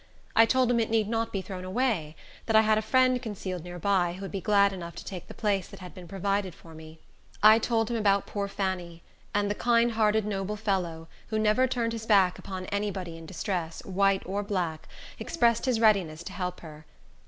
I told him it need not be thrown away; that I had a friend concealed near by, who would be glad enough to take the place that had been provided for me. I told him about poor Fanny, and the kind hearted, noble fellow, who never turned his back upon any body in distress, white or black, expressed his readiness to help her.